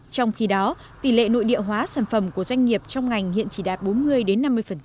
trong khi đó tỷ lệ nội địa hóa sản phẩm của doanh nghiệp trong ngành hiện chỉ đạt bốn mươi đến năm mươi